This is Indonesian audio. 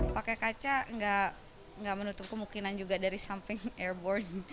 pakai kaca nggak menutup kemungkinan juga dari samping airborne